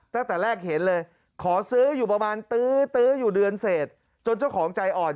ตั้งแต่แรกเห็นเลยขอซื้ออยู่ประมาณตื้ออยู่เดือนเศษจนเจ้าของใจอ่อน